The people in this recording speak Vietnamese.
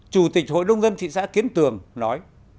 chủ tịch hội nông dân thị xã kiến tường nói